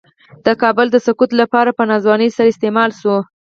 د کابل د سقوط لپاره په ناځوانۍ سره استعمال شو.